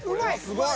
すごい。